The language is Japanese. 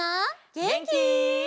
げんき？